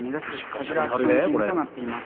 パズルアクションゲームとなっています。